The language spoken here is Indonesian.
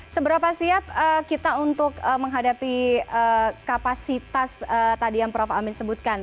seberapa siap kita untuk menghadapi kapasitas tadi yang prof amin sebutkan